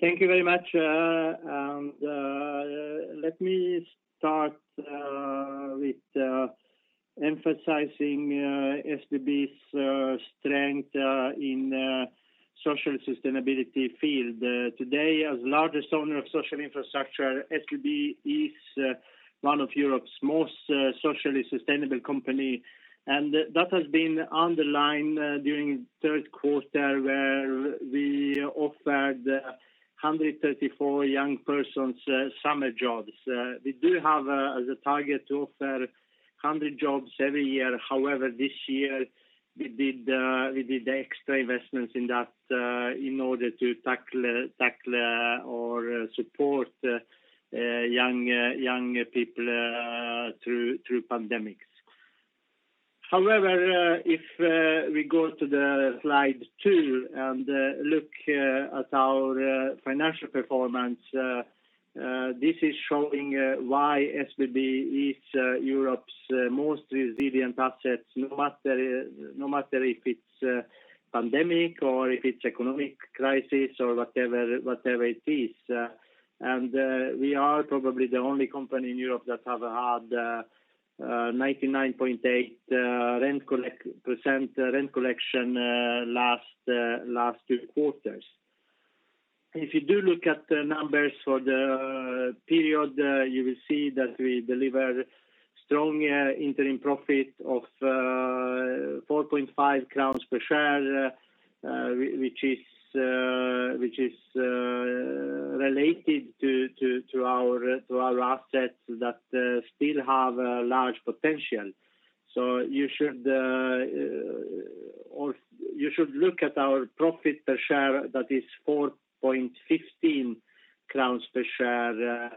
Thank you very much. Let me start with emphasizing SBB's strength in social sustainability field. Today, as largest owner of social infrastructure, SBB is one of Europe's most socially sustainable company. That has been underlined during third quarter where we offered 134 young persons summer jobs. We do have as a target to offer 100 jobs every year. However, this year we did extra investments in that in order to tackle or support young people through pandemics. However, if we go to the slide two and look at our financial performance, this is showing why SBB is Europe's most resilient assets, no matter if it's pandemic or if it's economic crisis or whatever it is. We are probably the only company in Europe that have had 99.8% rent collection last two quarters. If you do look at the numbers for the period, you will see that we deliver strong interim profit of 4.5 crowns per share, which is related to our assets that still have a large potential. You should look at our profit per share that is 4.15 crowns per share.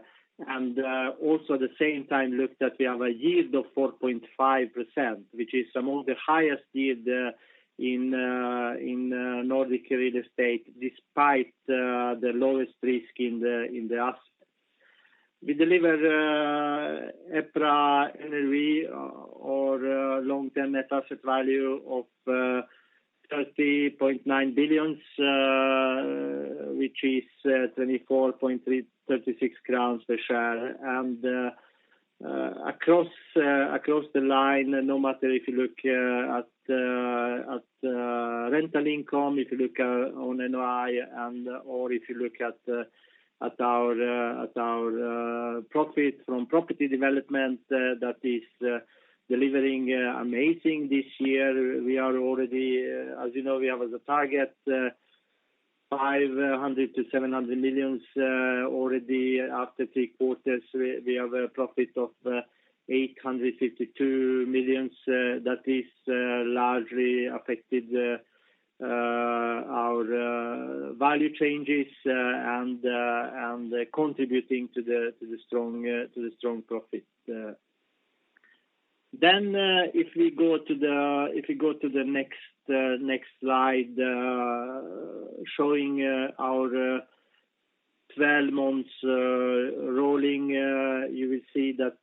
Also at the same time, look that we have a yield of 4.5%, which is among the highest yield in Nordic real estate, despite the lowest risk in the assets. We deliver EPRA NAV or long-term net asset value of 30.9 billion, which is 24.36 crowns per share. Across the line, no matter if you look at rental income, if you look on NOI or if you look at our profit from property development that is delivering amazing this year. As you know, we have as a target 500 million-700 million. Already after three quarters, we have a profit of 852 million that is largely affected our value changes and contributing to the strong profit. If we go to the next slide, showing our 12 months rolling, you will see that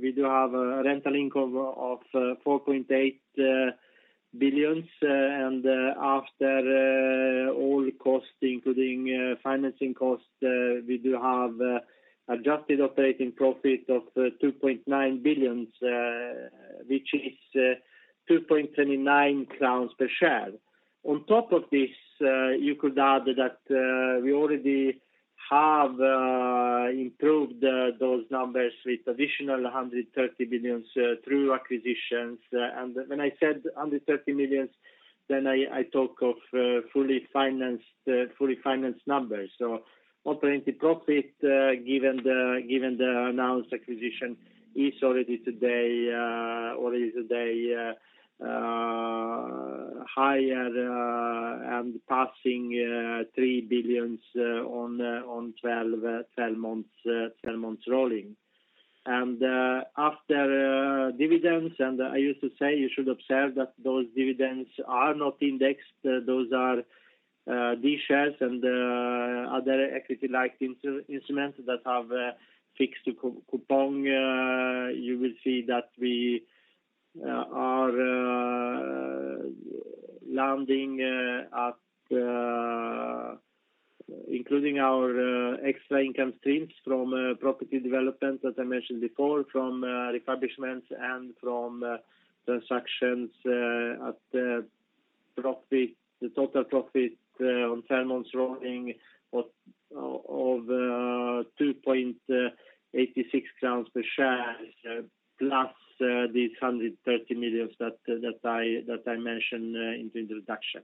we do have a rental income of 4.8 billion. After all costs, including financing costs, we do have adjusted operating profit of 2.9 billion, which is 2.29 crowns per share. On top of this, you could add that we already have improved those numbers with additional 130 billion through acquisitions. When I said 130 million, then I talk of fully financed numbers. Operating profit given the announced acquisition is already today higher and passing 3 billion on 12 months rolling. After dividends, and I used to say you should observe that those dividends are not indexed. Those are B-shares and other equity-like instruments that have fixed coupon. You will see that we are landing at including our extra income streams from property development as I mentioned before, from refurbishments and from transactions at the total profit on 10 months rolling of 2.86 crowns per share plus these 130 million that I mentioned in the introduction.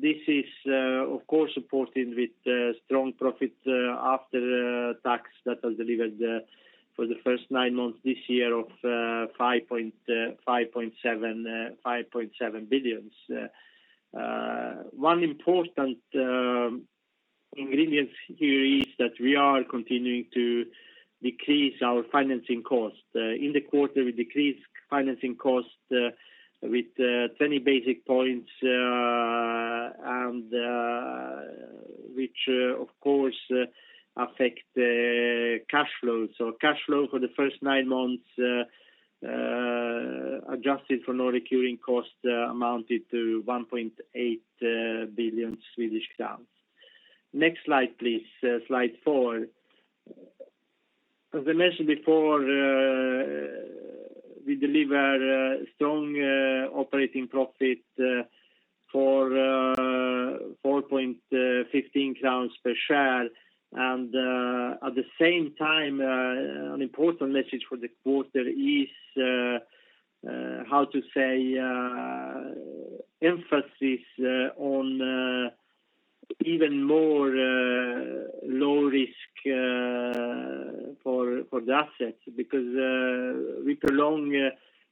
This is of course supported with strong profit after tax that was delivered for the first nine months this year of 5.7 billion. One important ingredient here is that we are continuing to decrease our financing cost. In the quarter, we decreased financing cost with 20 basis points and which, of course, affect cash flow. Cash flow for the first nine months, adjusted for non-recurring costs, amounted to 1.8 billion Swedish crowns. Next slide, please. Slide four. As I mentioned before, we deliver strong operating profit for 4.15 crowns per share. At the same time, an important message for the quarter is, how to say, emphasis on even more low risk for the assets, because we prolong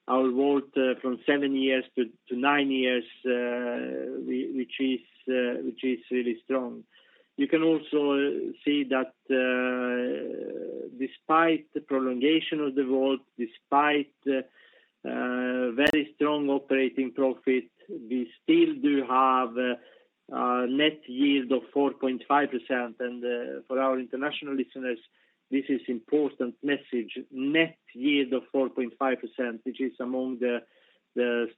our WAULT from seven years to nine years, which is really strong. You can also see that despite the prolongation of the WAULT, despite very strong operating profit, we still do have a net yield of 4.5%. For our international listeners, this is important message, net yield of 4.5%, which is among the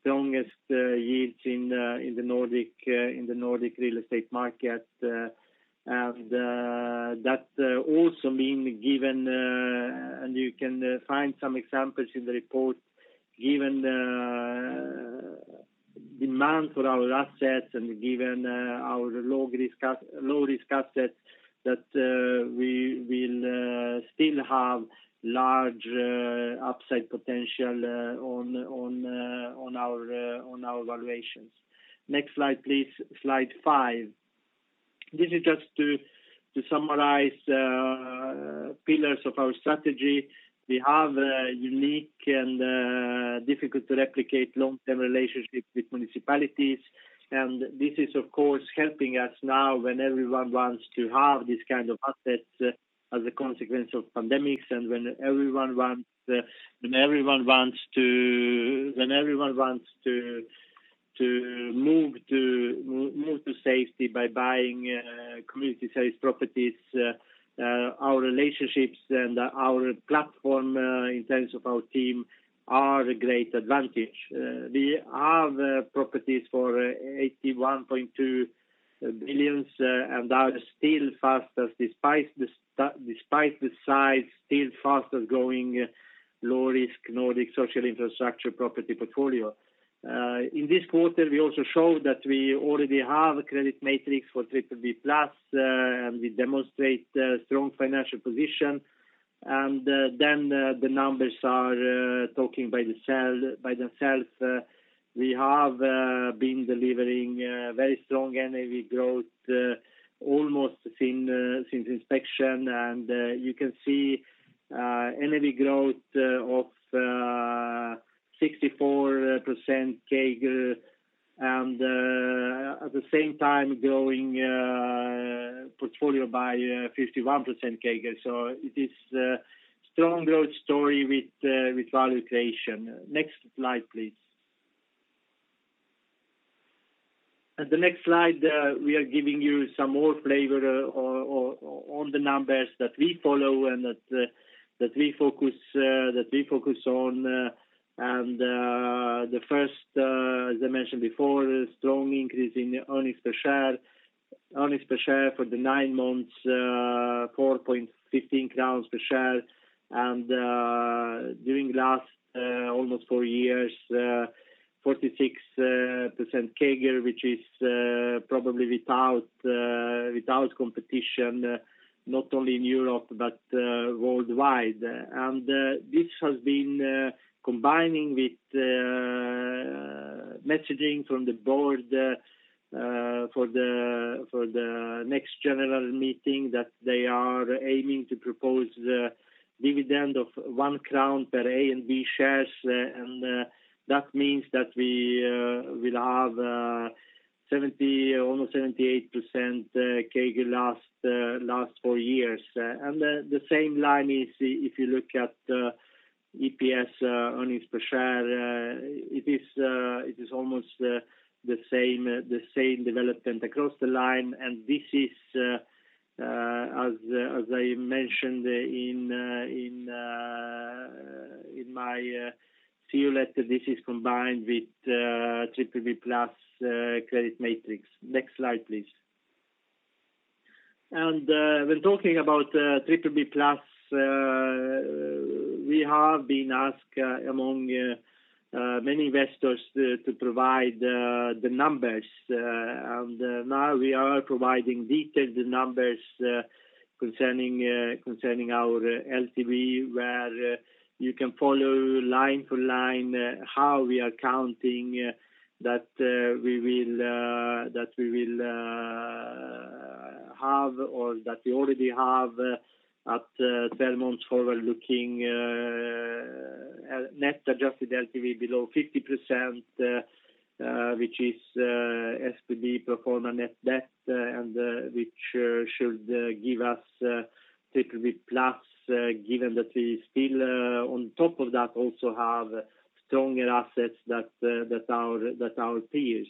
strongest yields in the Nordic real estate market. That also mean and you can find some examples in the report, given demand for our assets and given our low-risk assets, that we will still have large upside potential on our valuations. Next slide, please. Slide five. This is just to summarize pillars of our strategy. We have a unique and difficult-to-replicate long-term relationship with municipalities, and this is of course helping us now when everyone wants to have this kind of assets as a consequence of pandemics, and when everyone wants to move to safety by buying community service properties. Our relationships and our platform in terms of our team are a great advantage. We have properties for 81.2 billion and are still fastest, despite the size, still fastest-growing low-risk Nordic social infrastructure property portfolio. In this quarter, we also showed that we already have a credit metrics for BBB+, and we demonstrate strong financial position. The numbers are talking by themselves. We have been delivering very strong NAV growth almost since inception. You can see NAV growth of 64% CAGR. At the same time growing portfolio by 51% CAGR. It is a strong growth story with value creation. Next slide, please. At the next slide, we are giving you some more flavor on the numbers that we follow and that we focus on. The first, as I mentioned before, strong increase in earnings per share. Earnings per share for the nine months, 4.15 crowns per share. During last almost four years, 46% CAGR, which is probably without competition, not only in Europe but worldwide. This has been combining with messaging from the board for the next general meeting that they are aiming to propose dividend of 1 crown per A and B shares. That means that we will have almost 78% CAGR last four years. The same line is if you look at EPS, earnings per share, it is almost the same development across the line. This is, as I mentioned in my CEO letter, this is combined with BBB+ credit metrics. Next slide, please. When talking about BBB+, we have been asked among many investors to provide the numbers. Now we are providing detailed numbers concerning our LTV, where you can follow line to line how we are counting that we will have or that we already have at 12 months forward-looking net adjusted LTV below 50%, which is SBB pro forma net debt, and which should give us BBB+, given that we still on top of that also have stronger assets than our peers.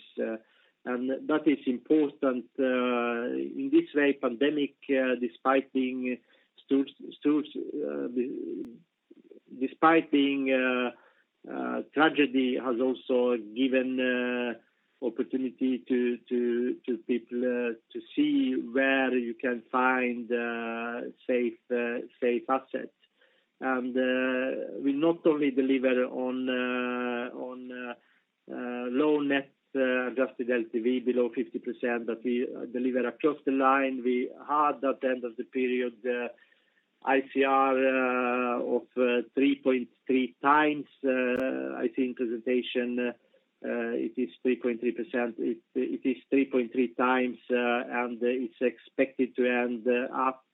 That is important. In this way, pandemic, despite being a tragedy, it has also given an opportunity to people to see where you can find safe assets. We not only deliver on low net adjusted LTV below 50%, but we deliver across the line. We had, at the end of the period, ICR of 3.3x. I think presentation it is 3.3%. It is 3.3x, and it is expected to end up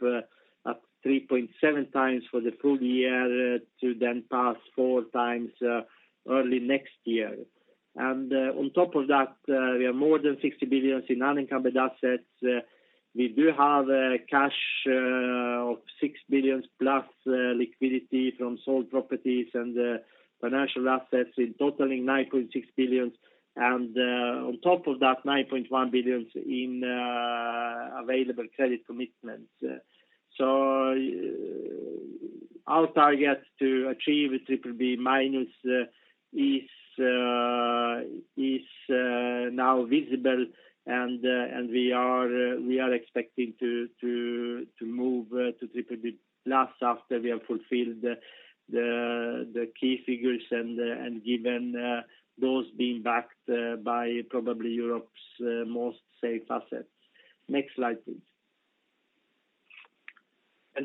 at 3.7x for the full-year to then pass 4x early next year. On top of that, we are more than 60 billion in unencumbered assets. We do have a cash of 6 billion plus liquidity from sold properties and financial assets totaling 9.6 billion. On top of that, 9.1 billion in available credit commitments. Our target to achieve a BBB- is now visible and we are expecting to move to BBB+ after we have fulfilled the key figures and given those being backed by probably Europe's most safe assets. Next slide, please.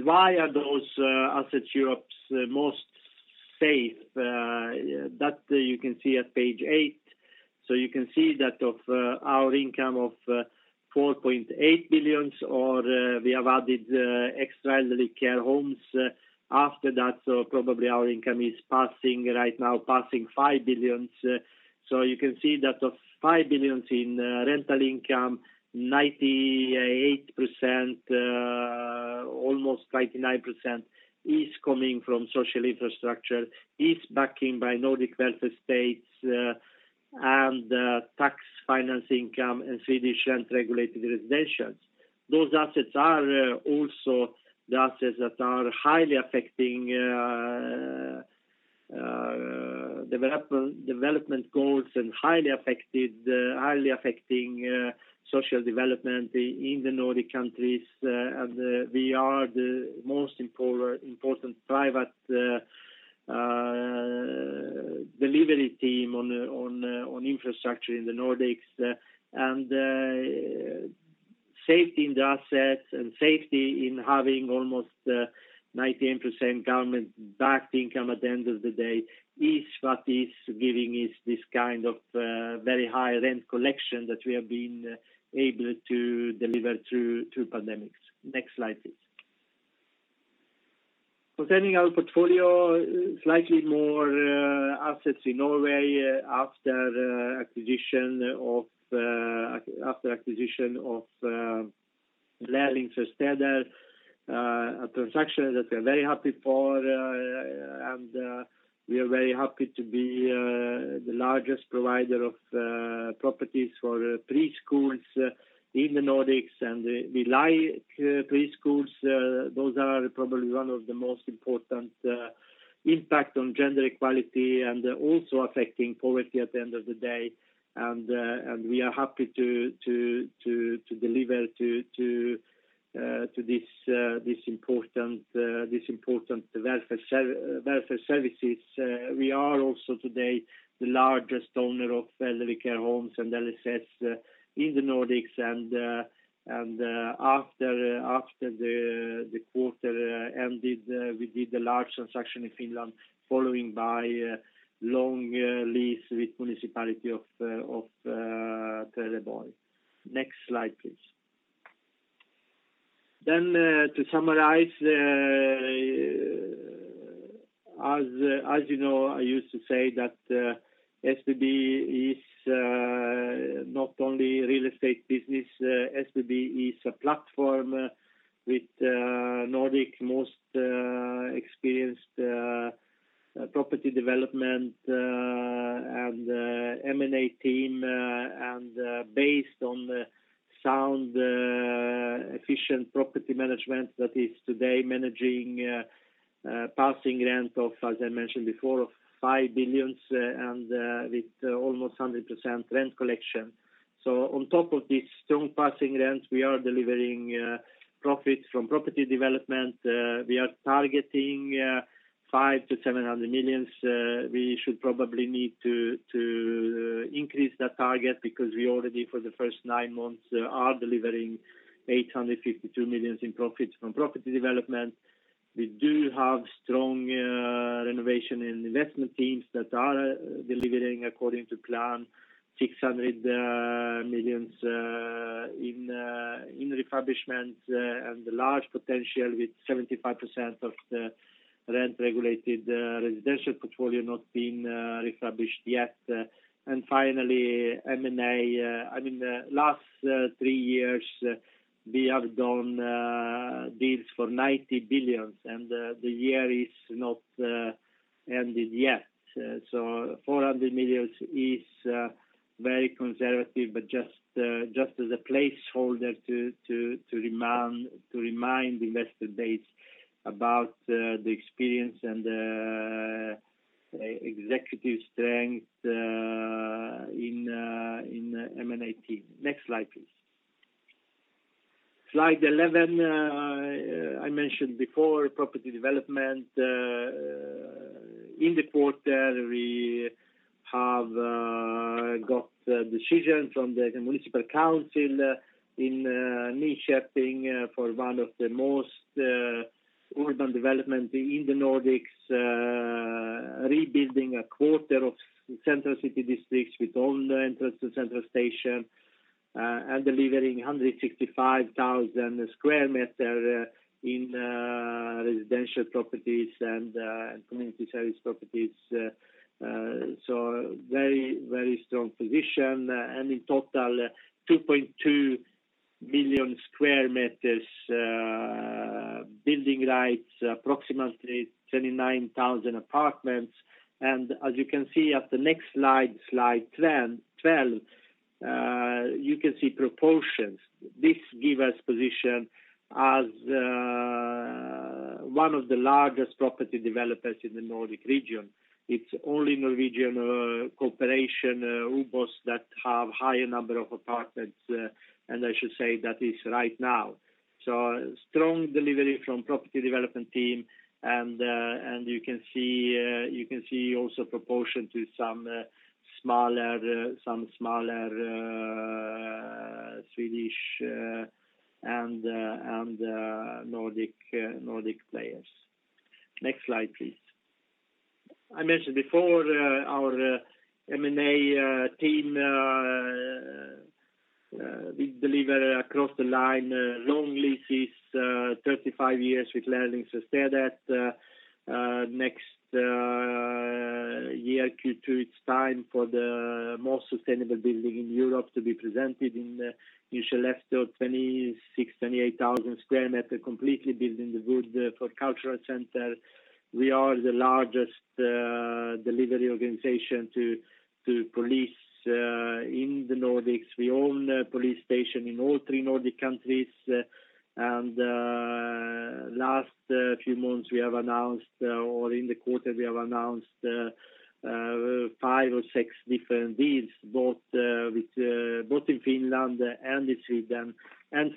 Why are those assets Europe's most safe? That you can see at page eight. You can see that of our income of 4.8 billion or we have added extra elderly care homes after that, probably our income right now passing 5 billion. You can see that of 5 billion in rental income, 98%, almost 99% is coming from social infrastructure, is backing by Nordic welfare states and tax finance income in Swedish rent-regulated residentials. Those assets are also the assets that are highly affecting development goals and highly affecting social development in the Nordic countries. We are the most important private delivery team on infrastructure in the Nordics. Safety in the assets and safety in having almost 98% government-backed income at the end of the day is what is giving us this kind of very high rent collection that we have been able to deliver through two pandemics. Next slide, please. Presenting our portfolio, slightly more assets in Norway after acquisition of Læringsverkstedet, a transaction that we are very happy for. We are very happy to be the largest provider of properties for preschools in the Nordics. We like preschools. Those are probably one of the most important impact on gender equality and also affecting poverty at the end of the day. We are happy to deliver to these important welfare services. We are also today the largest owner of elderly care homes and LSS in the Nordics. After the quarter ended, we did a large transaction in Finland, followed by long lease with municipality of Trelleborg. Next slide, please. To summarize, as you know, I used to say that SBB is not only real estate business, SBB is a platform with Nordic's most experienced property development and M&A team, and based on sound efficient property management that is today managing passing rent of, as I mentioned before, of 5 billion and with almost 100% rent collection. On top of these strong passing rents, we are delivering profits from property development. We are targeting 500 million-700 million. We should probably need to increase that target because we already, for the first nine months, are delivering 852 million in profits from property development. We do have strong renovation and investment teams that are delivering according to plan, 600 million in refurbishment, and the large potential with 75% of the rent-regulated residential portfolio not been refurbished yet. Finally, M&A. Last three years, we have done deals for 90 billion, the year is not ended yet. 400 million is very conservative, but just as a placeholder to remind investor base about the experience and executive strength in M&A team. Next slide, please. Slide 11. I mentioned before property development. In the quarter, we have got decision from the municipal council in Nyköping for one of the most urban development in the Nordics, rebuilding a quarter of central city districts with own entrance to central station, delivering 165,000 sq m in residential properties and community service properties. Very strong position. In total, 2.2 million square meters building rights, approximately 39,000 apartments. As you can see at the next slide 12, you can see proportions. This give us position as one of the largest property developers in the Nordic region. It's only Norwegian cooperation OBOS that have higher number of apartments, and I should say that is right now. Strong delivery from property development team, and you can see also proportion to some smaller Swedish and Nordic players. Next slide, please. I mentioned before our M&A team, we deliver across the line long leases 35 years with Læringsverkstedet. Next year, Q2, it's time for the most sustainable building in Europe to be presented in Skellefteå, 26,000, 28,000 sq m, completely built in the wood for cultural center. We are the largest delivery organization to police in the Nordics. We own a police station in all three Nordic countries. Last few months we have announced, or in the quarter we have announced five or six different deals, both in Finland and in Sweden.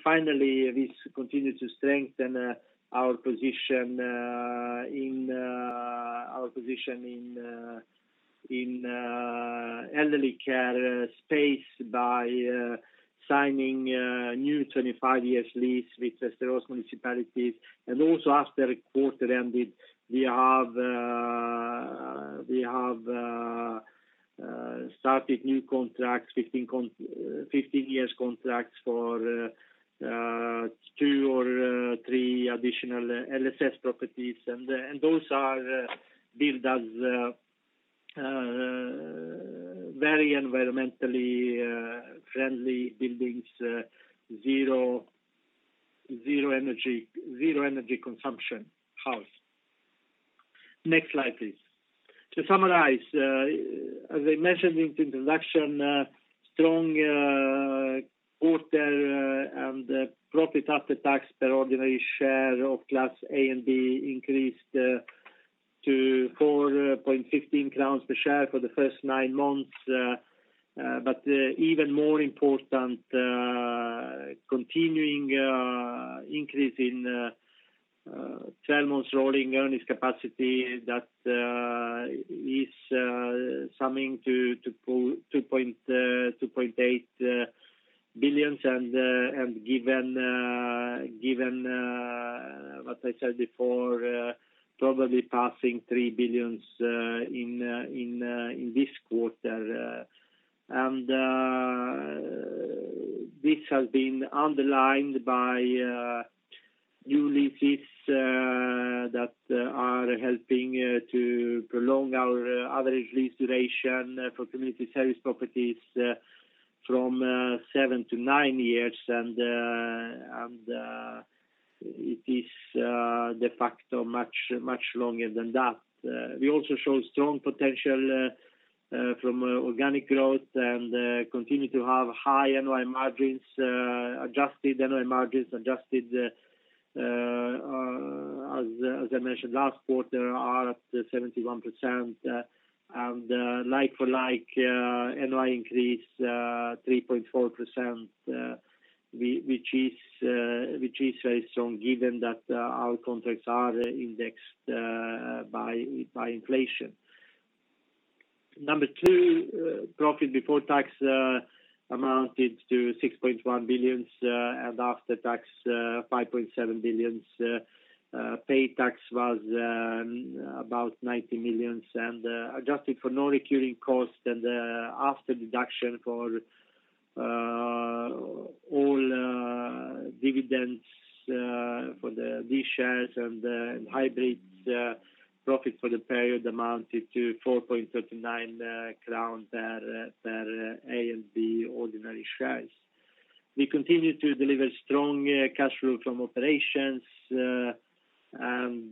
Finally, this continue to strengthen our position in elderly care space by signing new 25 years lease with Österåker municipalities. Also after the quarter ended, we have started new contracts, 15 years contracts for two or three additional LSS properties. Those are built as very environmentally friendly buildings, zero energy consumption house. Next slide, please. To summarize, as I mentioned in introduction, strong quarter and profit after tax per ordinary share of Class A and B increased to 4.15 crowns per share for the first nine months. Even more important, continuing increase in 12 months rolling earnings capacity that is summing to 2.8 billion, and given what I said before probably passing 3 billion in this quarter. This has been underlined by new leases that are helping to prolong our average lease duration for community service properties from seven to nine years. It is de facto much longer than that. We also show strong potential from organic growth and continue to have high NOI margins, adjusted NOI margins, adjusted, as I mentioned last quarter, are at 71%. Like-for-like NOI increase 3.4%, which is very strong given that our contracts are indexed by inflation. Number two, profit before tax amounted to 6.1 billion, and after tax 5.7 billion. Paid tax was about 90 million. Adjusted for non-recurring cost and after deduction for all dividends for the B shares and hybrids profit for the period amounted to 4.39 crown per A and B ordinary shares. We continue to deliver strong cash flow from operations. At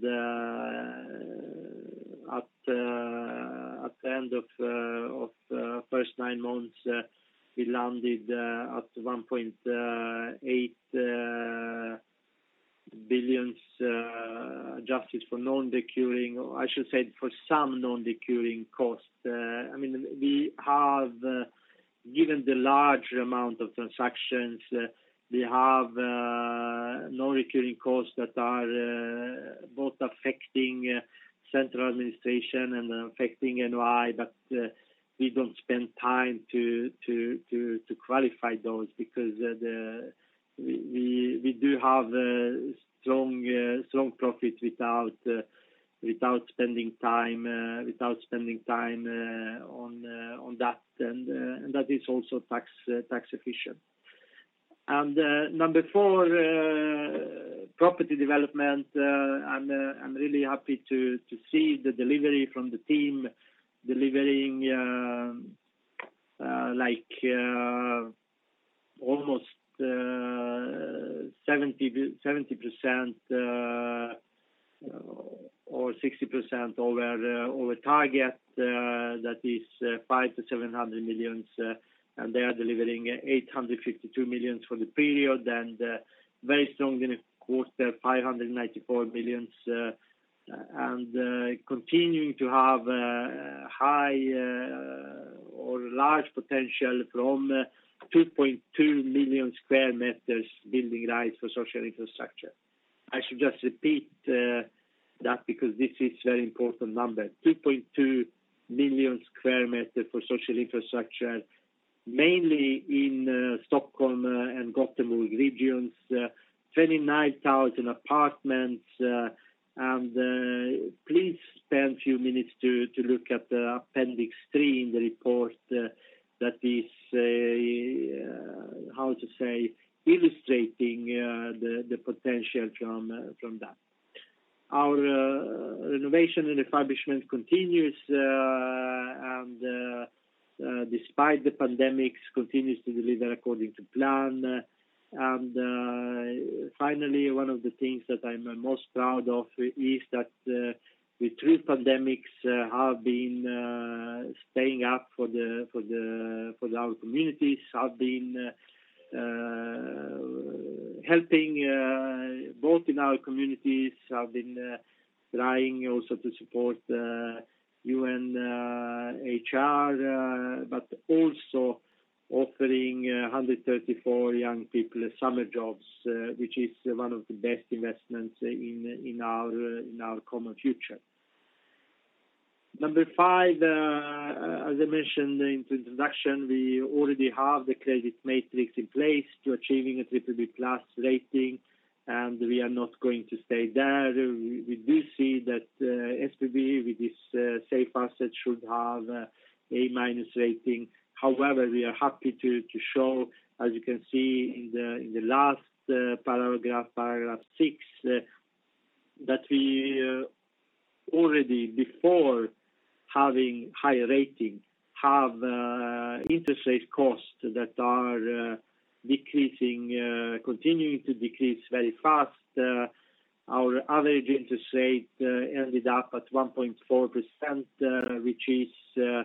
the end of first nine months, we landed at 1.8 billion adjusted for non-recurring, or I should say for some non-recurring costs. Given the large amount of transactions, we have non-recurring costs that are both affecting central administration and affecting NOI, but we don't spend time to qualify those because we do have a strong profit without spending time on that, and that is also tax-efficient. Number four, property development. I'm really happy to see the delivery from the team, delivering almost 70% or 60% over target. That is 500 million-700 million, and they are delivering 852 million for the period, and very strong in a quarter, 594 million, and continuing to have a high or large potential from 2.2 million square meters building rights for social infrastructure. I should just repeat that because this is very important number. 2.2 million square meter for social infrastructure, mainly in Stockholm and Gothenburg regions, 29,000 apartments. Please spend a few minutes to look at the appendix three in the report that is, how to say, illustrating the potential from that. Our renovation and refurbishment continues, and despite the pandemic, continues to deliver according to plan. Finally, one of the things that I'm most proud of is that with three pandemics have been staying up for our communities, have been helping both in our communities, have been trying also to support UNHCR, but also offering 134 young people summer jobs, which is one of the best investments in our common future. Number five, as I mentioned in the introduction, we already have the credit metrics in place to achieving a BBB+ rating, and we are not going to stay there. We do see that SBB, with its safe assets, should have A- rating. However, we are happy to show, as you can see in the last paragraph six, that we already, before having high rating, have interest rate costs that are continuing to decrease very fast. Our average interest rate ended up at 1.4%, which is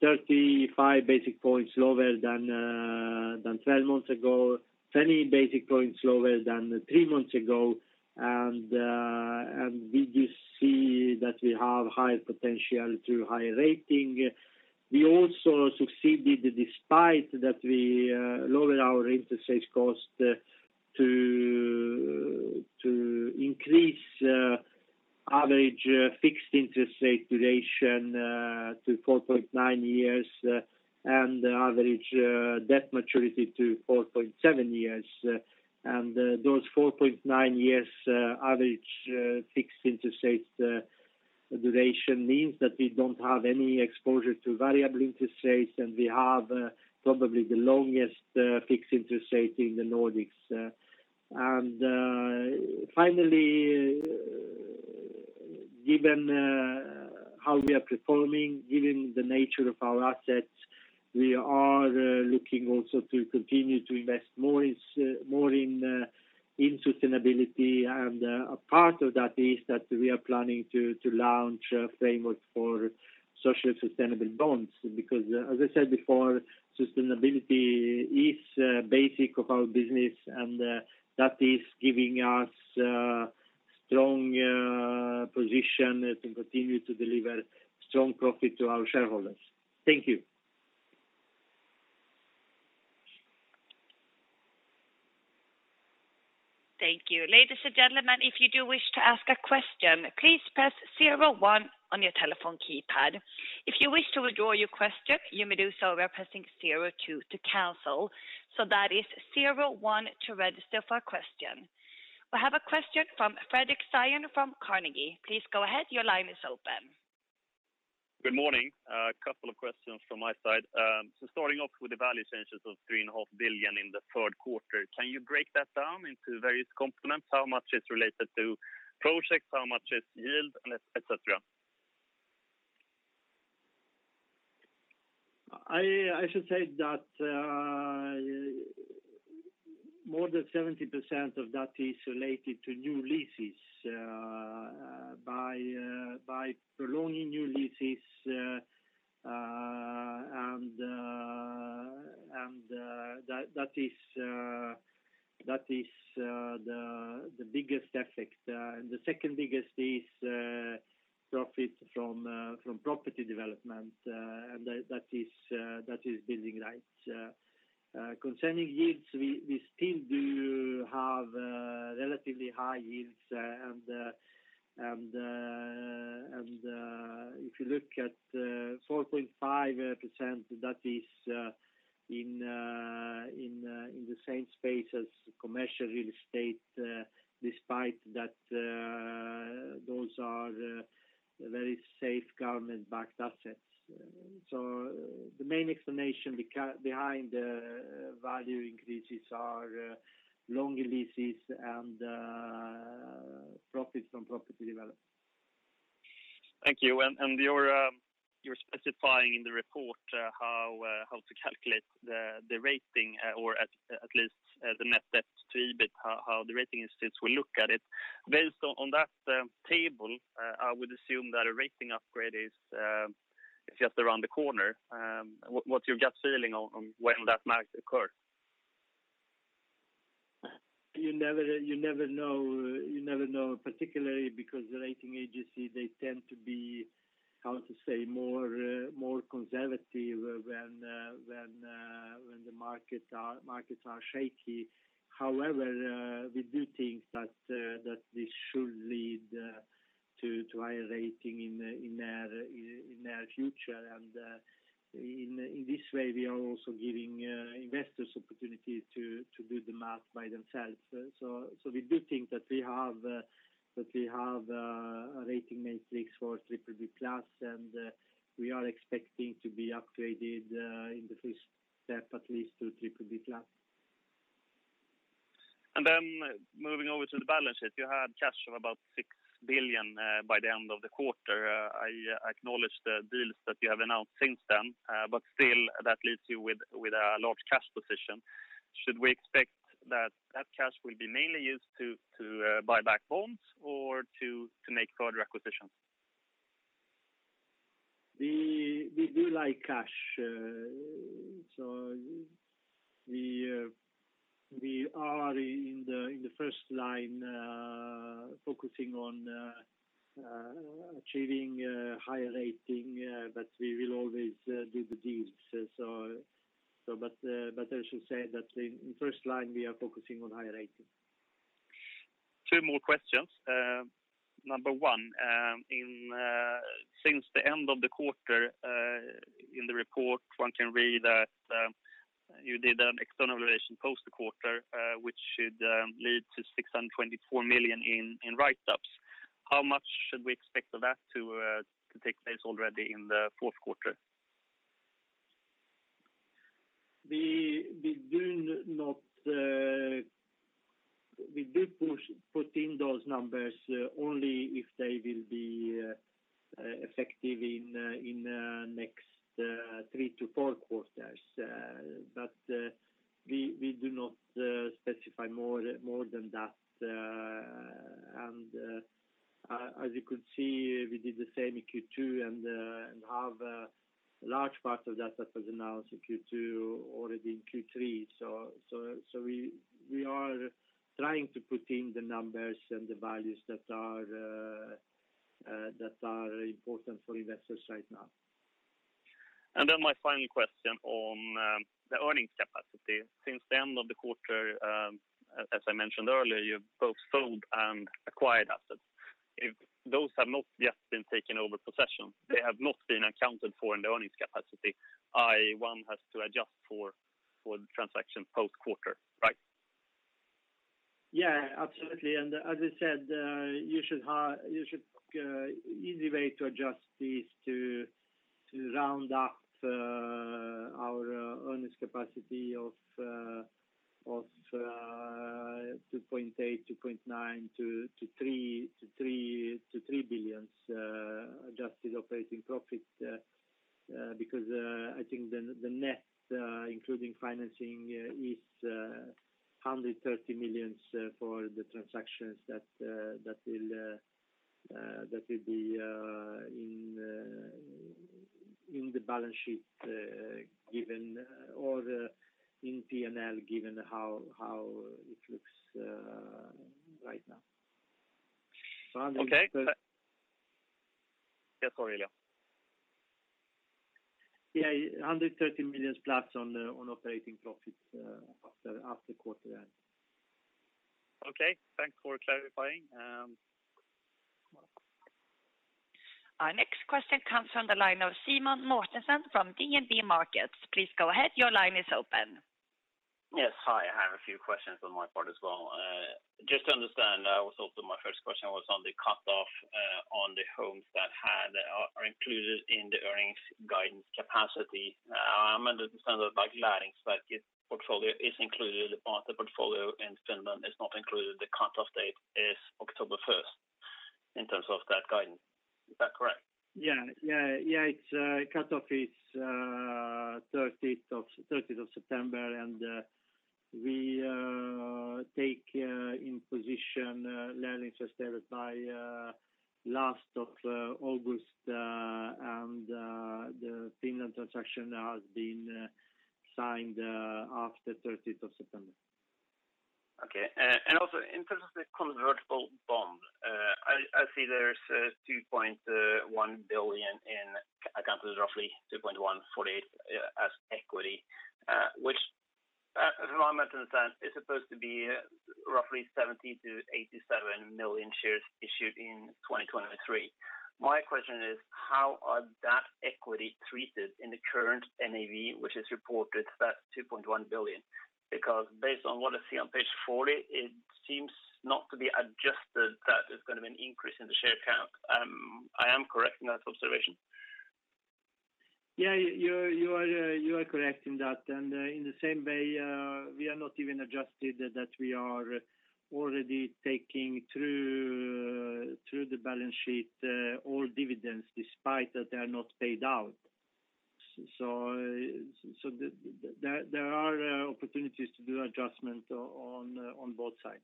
35 basis points lower than 12 months ago, 20 basis points lower than three months ago. We do see that we have high potential to high rating. We also succeeded, despite that we lowered our interest rate cost to increase average fixed interest rate duration to 4.9 years and average debt maturity to 4.7 years. Those 4.9 years average fixed interest rate duration means that we don't have any exposure to variable interest rates, and we have probably the longest fixed interest rate in the Nordics. Finally, given how we are performing, given the nature of our assets, we are looking also to continue to invest more in sustainability, a part of that is that we are planning to launch a framework for social sustainable bonds. As I said before, sustainability is basic of our business, that is giving us a strong position to continue to deliver strong profit to our shareholders. Thank you. Thank you. Ladies and gentlemen, if you do wish to ask a question, please press zero one on your telephone keypad. If you wish to withdraw your question, you may do so by pressing zero two to cancel. That is zero one to register for a question. We have a question from Fredric Cyon from Carnegie. Please go ahead. Your line is open. Good morning. A couple of questions from my side. Starting off with the value changes of 3.5 billion in the third quarter, can you break that down into various components? How much is related to projects, how much is yield, and et cetera? I should say that more than 70% of that is related to new leases by prolonging new leases and that is the biggest effect. The second biggest is profit from property development, and that is building rights. Concerning yields, we still do have relatively high yields and if you look at 4.5%, that is in the same space as commercial real estate, despite that those are very safe government-backed assets. The main explanation behind value increases are longer leases and profits from property development. Thank you. You're specifying in the report how to calculate the rating or at least the net debt to EBIT, how the rating institutes will look at it. Based on that table, I would assume that a rating upgrade is just around the corner. What's your gut feeling on when that might occur? You never know, particularly because the rating agency, they tend to be, how to say, more conservative when the markets are shaky. We do think that this should lead to higher rating in the near future. In this way, we are also giving investors opportunities to do the math by themselves. We do think that we have a rating matrix for BBB+, and we are expecting to be upgraded in the first step, at least to BBB+. Moving over to the balance sheet, you had cash of about 6 billion by the end of the quarter. I acknowledge the deals that you have announced since then, but still, that leaves you with a large cash position. Should we expect that that cash will be mainly used to buy back bonds or to make further acquisitions? We do like cash. We are in the first line focusing on achieving a higher rating, but we will always do the deals. I should say that in first line, we are focusing on higher ratings. Two more questions. Number one, since the end of the quarter, in the report, one can read that you did an external revaluation post a quarter, which should lead to 624 million in write-ups. How much should we expect that to take place already in the fourth quarter? We did put in those numbers only if they will be effective in the next three to four quarters. We do not specify more than that. As you could see, we did the same in Q2 and have a large part of that that was announced in Q2 already in Q3. We are trying to put in the numbers and the values that are important for investors right now. My final question on the earnings capacity. Since the end of the quarter, as I mentioned earlier, you've both sold and acquired assets. If those have not yet been taken over possession, they have not been accounted for in the earnings capacity, i.e., one has to adjust for the transaction post-quarter, right? Yeah, absolutely. As I said, easy way to adjust is to round up our earnings capacity of 2.8 billion, 2.9 billion-3 billion adjusted operating profit. I think the net including financing is 130 million for the transactions that will be in the balance sheet given all the in P&L, given how it looks right now. Okay. Yeah, sorry, Ilija. Yeah, 130+ millions on operating profits after quarter end. Okay, thanks for clarifying. Our next question comes from the line of Simen Mortensen from DNB Markets. Please go ahead. Your line is open. Yes. Hi, I have a few questions on my part as well. Just to understand also my first question was on the cutoff on the homes that are included in the earnings guidance capacity. I understand that the Læringsverkstedet portfolio is included but the portfolio in Finland is not included. The cutoff date is October 1st. In terms of that guidance. Is that correct? Yeah. Cutoff is 30th of September, and we take in position Læringsverkstedet by last of August, and the Finland transaction has been signed after 30th of September. Okay. Also in terms of the convertible bond, I see there is 2.1 billion in accounts, roughly 2.148 billion as equity, which as far as I understand, is supposed to be roughly 70 million-87 million shares issued in 2023. My question is, how are that equity treated in the current NAV, which is reported that 2.1 billion? Because based on what I see on page 40, it seems not to be adjusted, that is going to be an increase in the share count. I am correct in that observation? Yeah. You are correct in that. In the same way, we are not even adjusted that we are already taking through the balance sheet all dividends despite that they are not paid out. There are opportunities to do adjustment on both sides.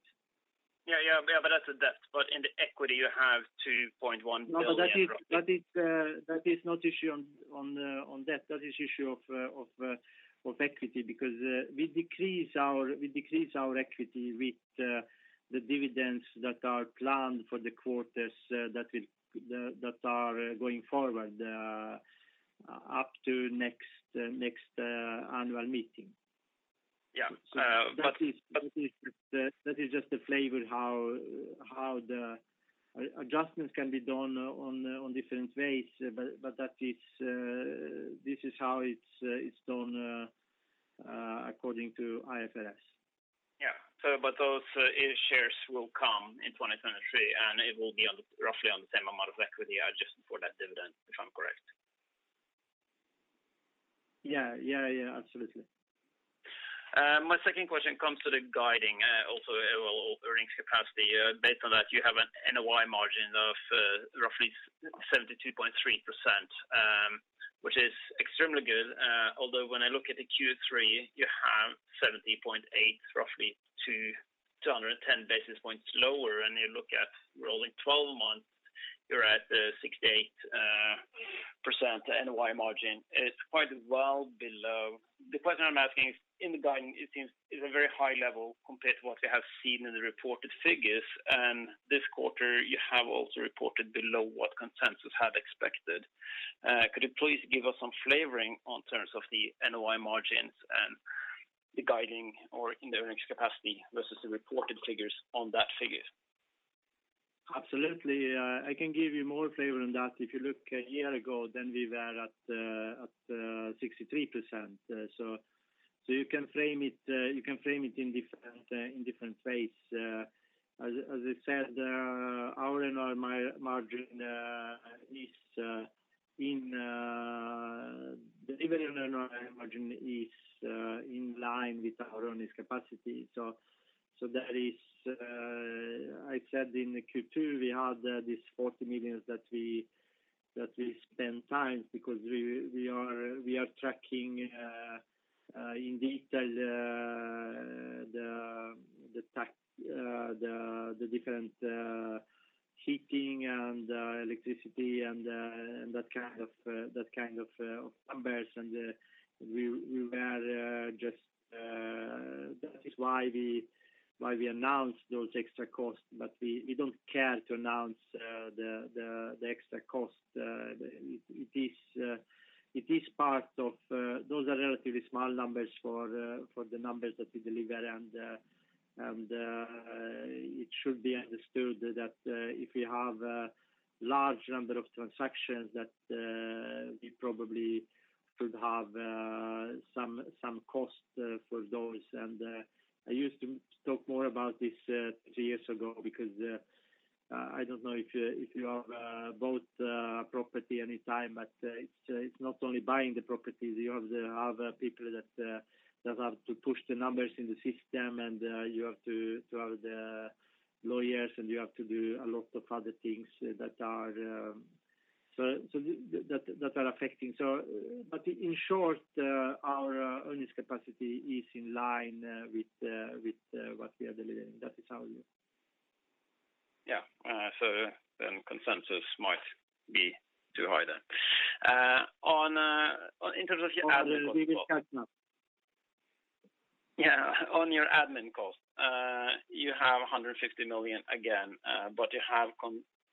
Yeah. That's a debt, but in the equity you have 2.1 billion. No, that is not issue on debt. That is issue of equity because we decrease our equity with the dividends that are planned for the quarters that are going forward up to next annual meeting. Yeah. That is just a flavor how the adjustments can be done on different ways. This is how it's done according to IFRS. Yeah. Those shares will come in 2023, and it will be roughly on the same amount of equity adjusted for that dividend, if I'm correct. Yeah. Absolutely. My second question comes to the guidance also earnings capacity. Based on that, you have an NOI margin of roughly 72.3%, which is extremely good. When I look at the Q3, you have 70.8% roughly to 210 basis points lower, and you look at rolling 12 months, you're at 68%, NOI margin. It's quite well below. The question I'm asking is, in the guidance, it seems is a very high level compared to what we have seen in the reported figures. This quarter you have also reported below what consensus had expected. Could you please give us some flavoring on terms of the NOI margins and the guidance or in the earnings capacity versus the reported figures on that figure? Absolutely. I can give you more flavor on that. If you look a year ago, then we were at 63%. You can frame it in different ways. As I said, our NOI margin is in the delivery margin is in line with our earnings capacity. I said in Q2 we had these 40 million that we spend time because we are tracking in detail the different heating and electricity and that kind of numbers and that is why we announced those extra costs. We don't care to announce the extra cost. Those are relatively small numbers for the numbers that we deliver and it should be understood that if we have a large number of transactions, that we probably should have some cost for those. I used to talk more about this two years ago because I don't know if you have bought property any time, but it's not only buying the property, you have the other people that have to push the numbers in the system, and you have to have the lawyers, and you have to do a lot of other things that are affecting. In short, our earnings capacity is in line with what we are delivering. That is our view. Yeah. Consensus might be too high then. In terms of your admin cost. Yeah. On your admin cost, you have 150 million again, but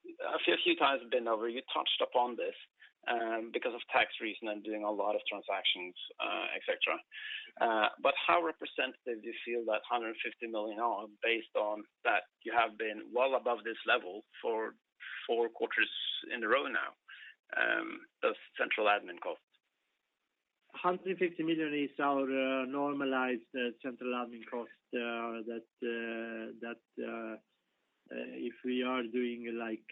a few times been over, you touched upon this, because of tax reason and doing a lot of transactions et cetera. How representative do you feel that 150 million are based on that you have been well above this level for four quarters in a row now of central admin cost? 150 million is our normalized central admin cost that if we are doing like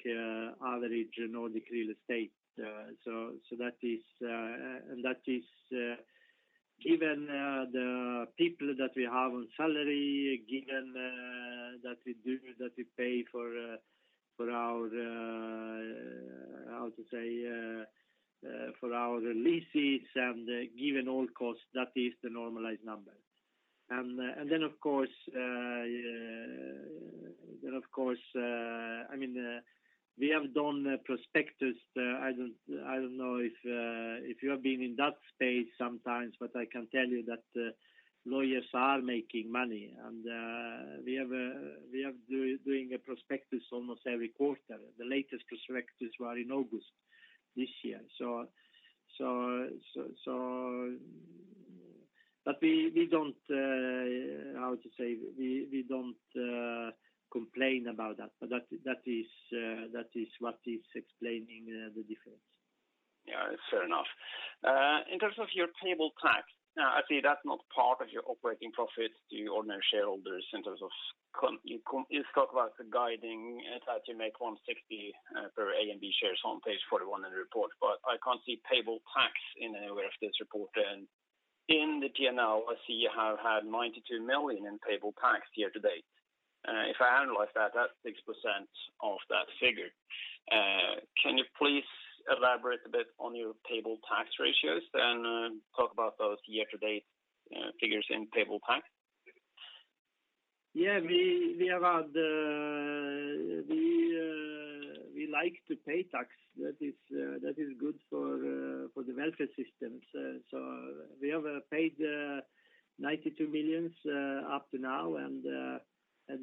average Nordic real estate. That is given the people that we have on salary, given that we pay for our leases, and given all costs, that is the normalized number. We have done prospectus. I don't know if you have been in that space sometimes, but I can tell you that lawyers are making money, and we are doing a prospectus almost every quarter. The latest prospectus was in August this year. We don't complain about that. That is what is explaining the difference. Yeah, fair enough. In terms of your payable tax, I see that's not part of your operating profit to your ordinary shareholders in terms of, you talk about the guiding that you make 160 million per A and B shares on page 41 in the report, but I can't see payable tax anywhere in this report. In the P&L, I see you have had 92 million in payable tax year-to-date. If I analyze that's 6% of that figure. Can you please elaborate a bit on your payable tax ratios and talk about those year-to-date figures in payable tax? Yeah. We like to pay tax. That is good for the welfare systems. We have paid 92 million up to now,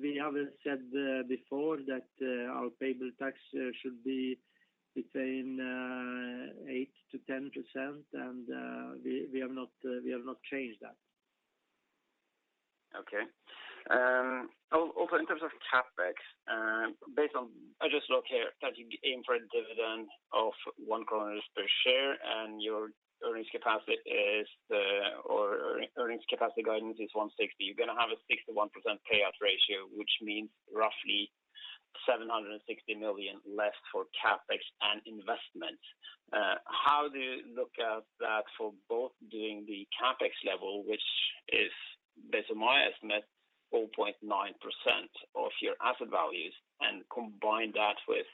we have said before that our payable tax should be between 8%-10%, we have not changed that. Okay. Also, in terms of CapEx, I just look here that you aim for a dividend of 1 kronor per share. Your earnings capacity guidance is 160 million. You're going to have a 61% payout ratio, which means roughly 760 million left for CapEx and investment. How do you look at that for both doing the CapEx level, which is, based on my estimate, 0.9% of your asset values, and combine that with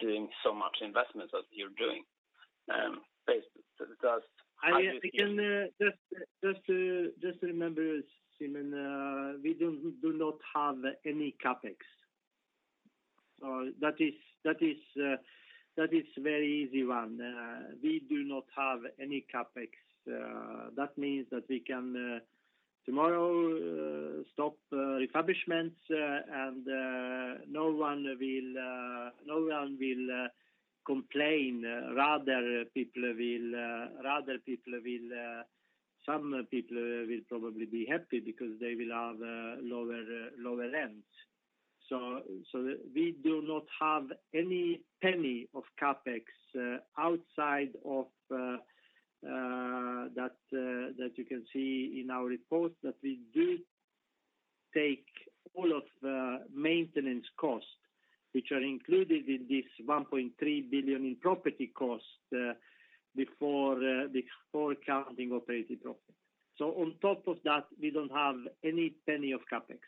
doing so much investment as you're doing? Just remember, Simen, we do not have any CapEx. That is a very easy one. We do not have any CapEx. That means that we can tomorrow stop refurbishments, and no one will complain. Rather, some people will probably be happy because they will have lower rents. We do not have any penny of CapEx outside of that you can see in our report that we do take all of the maintenance costs, which are included in this 1.3 billion in property cost before accounting or profit. On top of that, we don't have any penny of CapEx.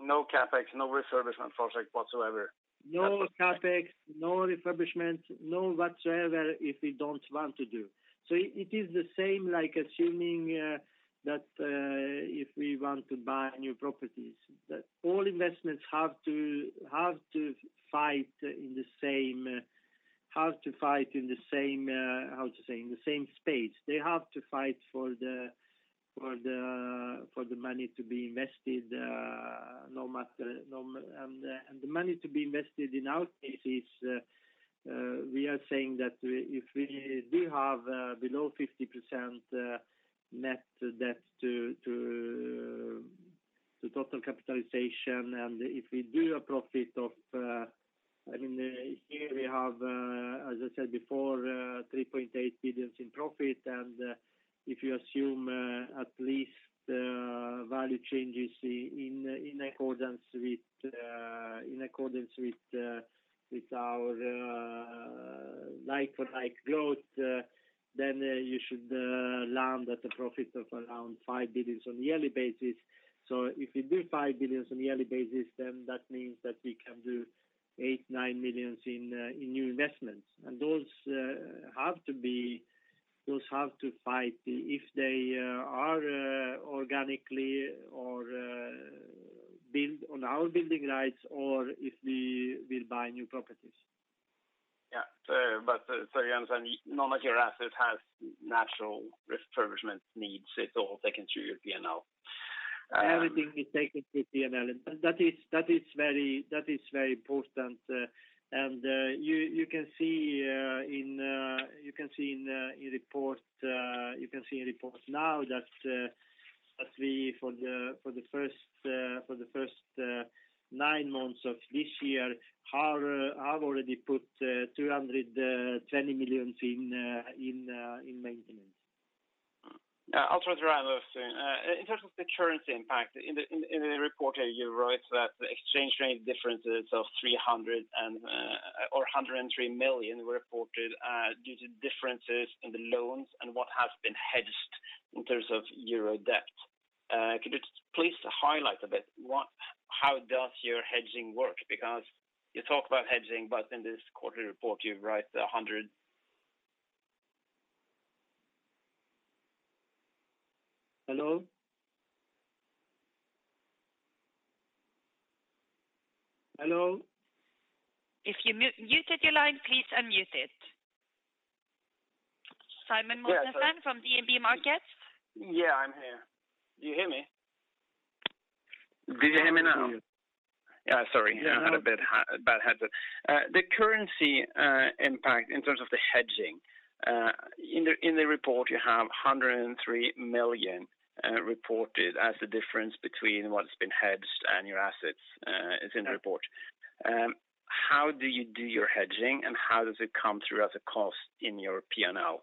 No CapEx, no refurbishment project whatsoever. No CapEx, no refurbishment, no whatsoever if we don't want to do. It is the same like assuming that if we want to buy new properties, that all investments have to fight, how to say, in the same space. They have to fight for the money to be invested no matter. The money to be invested in our cases, we are saying that if we do have below 50% net debt to total capitalization, and if we do a profit of, here we have, as I said before, 3.8 billion in profit, and if you assume at least value changes in accordance with our like-for-like growth, then you should land at a profit of around 5 billion on a yearly basis. If we do 5 billion on a yearly basis, that means that we can do 8 million, 9 million in new investments. Those have to fight if they are organically or build on our building rights or if we will buy new properties. Yeah. You understand, none of your assets have natural refurbishment needs. It's all taken through your P&L. Everything is taken through P&L. That is very important. You can see in report now that we, for the first nine months of this year, have already put 220 million in maintenance. I'll try to wrap up soon. In terms of the currency impact in the report here, you wrote that the exchange rate differences of 103 million were reported due to differences in the loans and what has been hedged in terms of euro debt. Could you please highlight a bit how does your hedging work? You talk about hedging, but in this quarterly report you write SEK 100 million. Hello? Hello? If you muted your line, please unmute it. Simen Mortensen from DNB Markets? Yeah, I'm here. Do you hear me? Do you hear me now? Sorry, I had a bad headset. The currency impact in terms of the hedging. In the report you have 103 million reported as the difference between what's been hedged and your assets is in the report. How do you do your hedging and how does it come through as a cost in your P&L?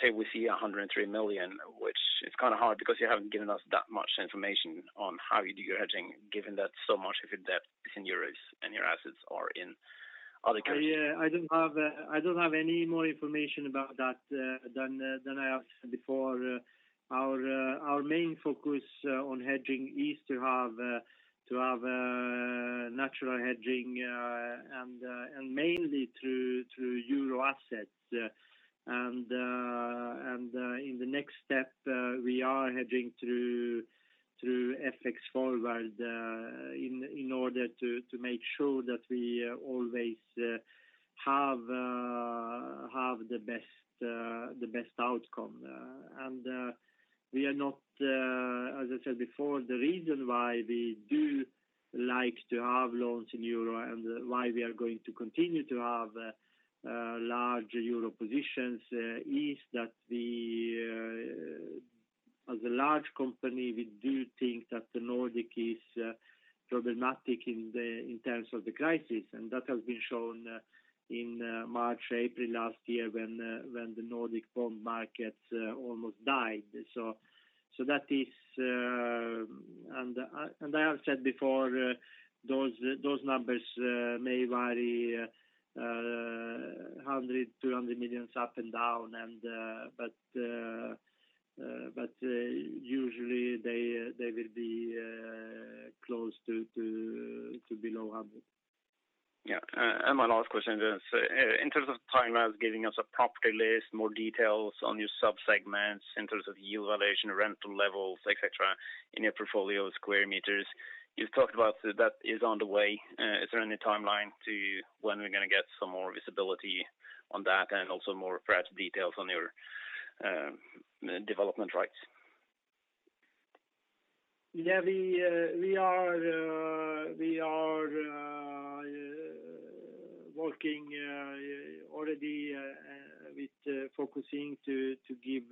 Here we see 103 million, which is kind of hard because you haven't given us that much information on how you do your hedging, given that so much of your debt is in euro and your assets are in other currencies. I don't have any more information about that than I have before. Our main focus on hedging is to have natural hedging and mainly through euro assets. In the next step we are hedging through FX forward in order to make sure that we always have the best outcome. As I said before, the reason why we do like to have loans in euro and why we are going to continue to have large euro positions is that as a large company, we do think that the Nordic is problematic in terms of the crisis. That has been shown in March, April last year when the Nordic bond market almost died. I have said before, those numbers may vary 100 million, 200 million up and down but usually they will be close to below 100 million. Yeah. My last question is, in terms of timelines, giving us a property list, more details on your sub-segments in terms of yield valuation, rental levels, et cetera, in your portfolio square meters, you've talked about that is on the way. Is there any timeline to when we're going to get some more visibility on that and also more perhaps details on your development rights? Yeah. We are working already with focusing to give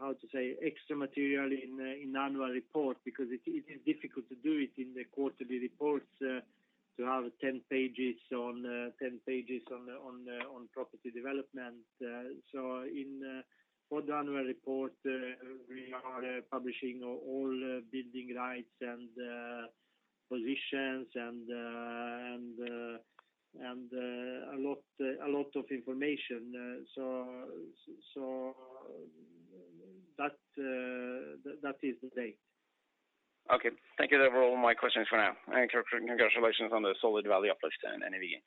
how to say, extra material in annual report because it is difficult to do it in the quarterly reports to have 10 pages on property development. For the annual report we are publishing all building rights and positions and a lot of information. That is the date. Okay. Thank you. They were all my questions for now. Congratulations on the solid value uplift and NAV gain.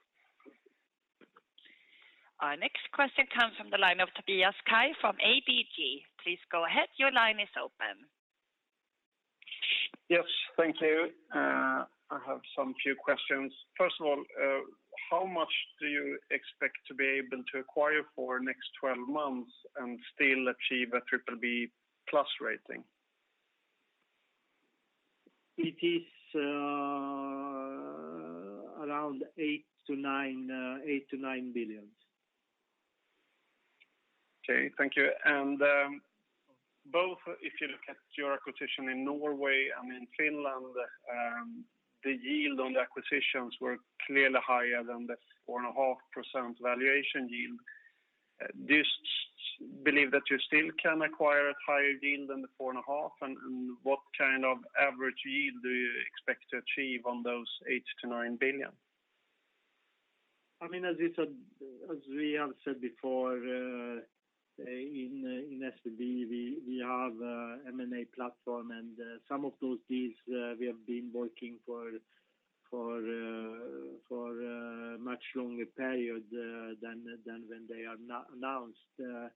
Our next question comes from the line of Tobias Kaj from ABG. Please go ahead. Your line is open. Yes. Thank you. I have some few questions. First of all, how much do you expect to be able to acquire for next 12 months and still achieve a BBB+ rating? It is around 8 billion-9 billion. Okay. Thank you. Both, if you look at your acquisition in Norway and in Finland, the yield on the acquisitions were clearly higher than the 4.5% valuation yield. Do you believe that you still can acquire at higher yield than the 4.5%? What kind of average yield do you expect to achieve on those 8 billion-9 billion? As we have said before in SBB we have M&A platform and some of those deals we have been working for much longer period than when they are announced.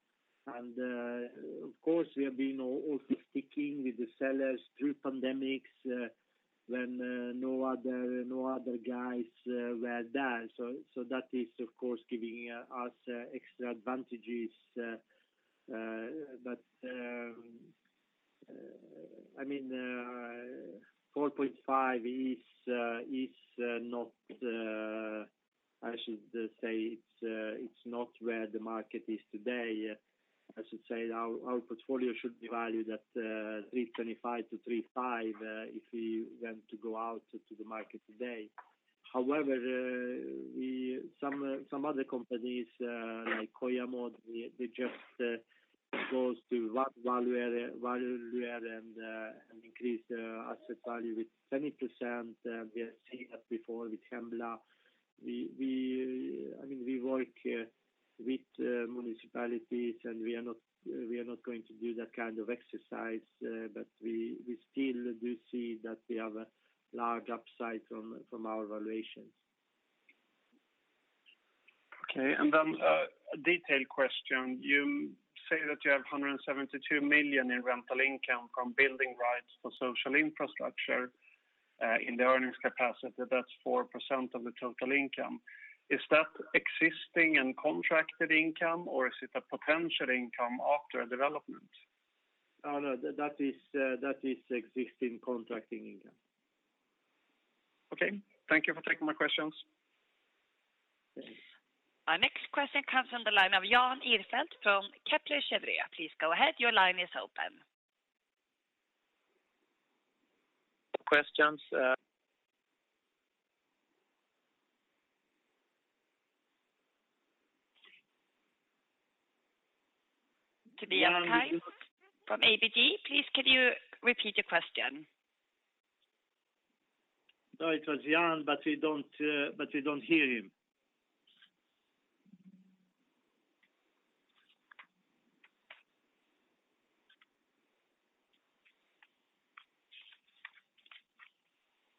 Of course we have been also sticking with the sellers through pandemics when no other guys were there. That is of course giving us extra advantages. 4.5% is not where the market is today. I should say our portfolio should be valued at 3.25%-3.50%. If we went to go out to the market today. However, some other companies like Kojamo, they just goes to one valuer and increase the asset value with 20%. We have seen that before with Hembla. We work with municipalities, and we are not going to do that kind of exercise, but we still do see that we have a large upside from our valuations. Okay, a detailed question. You say that you have 172 million in rental income from building rights for social infrastructure in the earnings capacity. That's 4% of the total income. Is that existing and contracted income, or is it a potential income after a development? No, that is existing contracted income. Okay. Thank you for taking my questions. Yes. Our next question comes from the line of Jan Ihrfelt from Kepler Cheuvreux. Please go ahead. Your line is open. Questions- Tobias Kaj from ABG. Please, can you repeat your question? No, it was Jan, but we don't hear him.